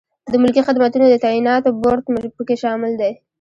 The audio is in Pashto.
د ملکي خدمتونو د تعیناتو بورد پکې شامل دی.